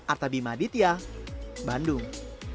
artabima aditya bandung